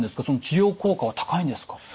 その治療効果は高いんですか？